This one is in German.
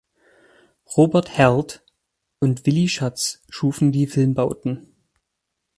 Robert Herlth und Willi Schatz schufen die Filmbauten.